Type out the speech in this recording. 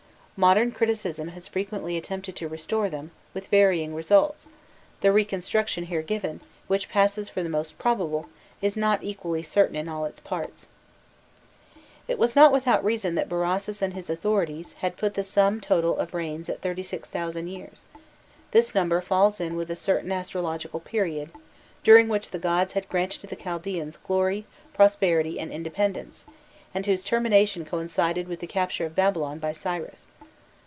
Modern criticism has frequently attempted to restore them, with varying results; the reconstruction here given, which passes for the most probable, is not equally certain in all its parts: * [Illustration: 084.jpg CHRONOLOGIC TABLE] It was not without reason that Berossus and his authorities had put the sum total of reigns at thirty six thousand years; this number falls in with a certain astrological period, during which the gods had granted to the Chaldaeans glory, prosperity, and independence, and whose termination coincided with the capture of Babylon by Cyrus.